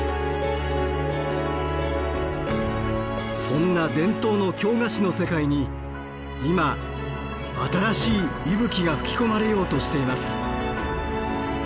そんな伝統の京菓子の世界に今新しい息吹が吹き込まれようとしています。